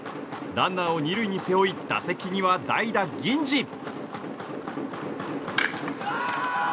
ランナーを２塁に背負い打席には代打、銀次。